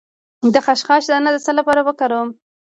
د خشخاش دانه د څه لپاره وکاروم؟